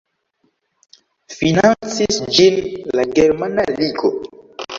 Financis ĝin la Germana Ligo.